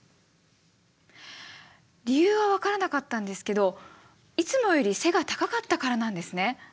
理由は分からなかったんですけどいつもより背が高かったからなんですね。